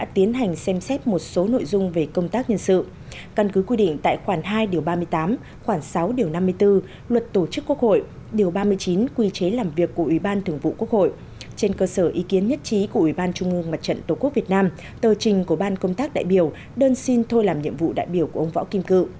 trên cơ sở ý kiến nhất trí của ủy ban trung ương mặt trận tổ quốc việt nam tờ trình của ban công tác đại biểu đơn xin thôi làm nhiệm vụ đại biểu của ông võ kim cự